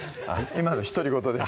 今の独り言です